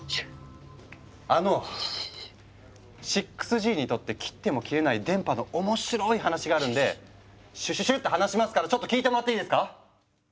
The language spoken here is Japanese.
あの６Ｇにとって切っても切れない電波の面白い話があるんでシュッシュッシュッて話しますからちょっと聞いてもらっていいですか？